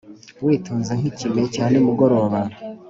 witonze nk'ikime cya nimugoroba